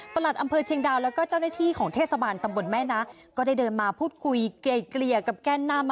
ตลอดจนสภาพแวดล้อมต่าง